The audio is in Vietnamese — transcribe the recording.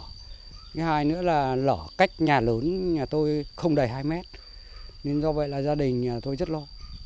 thứ hai nữa là lở cách nhà lớn nhà tôi không đầy hai mét nên do vậy là gia đình tôi rất lo